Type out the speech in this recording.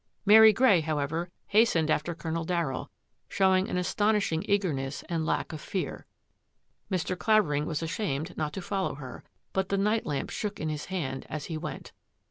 Mary Grey, however, hastened after Colonel Darryll, showing an aston ishing eagerness and lack of fear. Mr. Clavering was ashamed not to follow her, but the night lamp shook in his hand as he went.